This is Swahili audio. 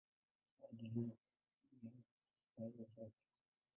Hadi leo hii mawe hayo yapo.